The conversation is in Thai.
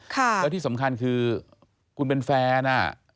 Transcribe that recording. แล้วที่สำคัญคือคุณเป็นแฟนอ่ะ